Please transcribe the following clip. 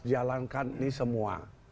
jalankan ini semua